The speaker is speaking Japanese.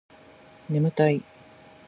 ねむたい